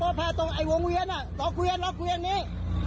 อันนี้ตรงหลวงเวรลอกเวรนี่